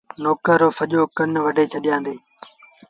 نوڪر رو سڄو ڪن وڍي ڇڏيآندي۔